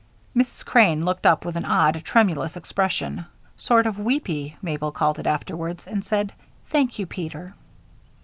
Mrs. Crane looked up with an odd, tremulous expression sort of weepy, Mabel called it afterwards and said: "Thank you, Peter."